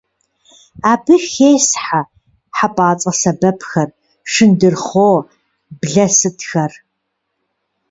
Абы хесхьэ хьэпӀацӀэ сэбэпхэр, шындырхъуо, блэ сытхэр.